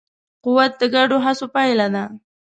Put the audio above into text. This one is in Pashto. قوت د ګډو هڅو پایله ده.